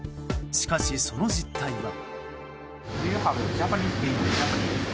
しかし、その実態は。